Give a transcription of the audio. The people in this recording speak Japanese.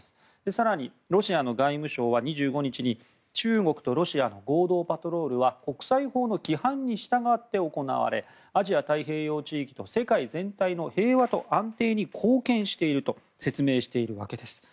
更にロシアの外務省は２５日に中国とロシアの合同パトロールは国際法の規範に従って行われ、アジア太平洋地域と世界全体の平和と安定に貢献していると説明しているわけです。